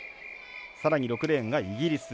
さらに６レーンがイギリス。